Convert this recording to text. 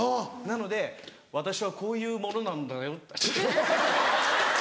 なので「私はこういう者なんだよ」。